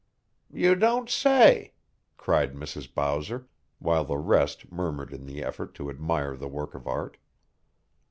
"You don't say!" cried Mrs. Bowser, while the rest murmured in the effort to admire the work of art.